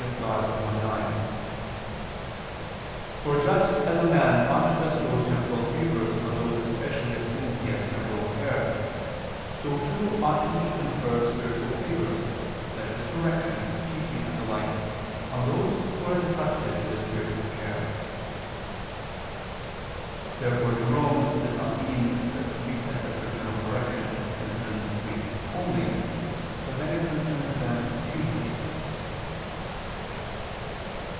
Dei i, 9): "for just as a man ought to bestow temporal favors on those especially of whom he has temporal care, so too ought he to confer spiritual favors, such as correction, teaching and the like, on those who are entrusted to his spiritual care." Therefore Jerome does not mean that the precept of fraternal correction concerns priests only, but that it concerns them chiefly.